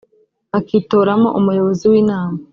bakitoramo umuyobozi w inama